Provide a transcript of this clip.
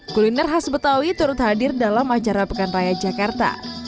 kuliner khas betawi turut hadir dalam acara pekan raya jakarta